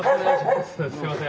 すみません。